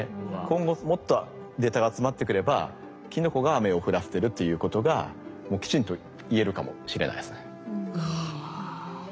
今後もっとデータが集まってくればキノコが雨を降らせてるっていうことがもうきちんといえるかもしれないですね。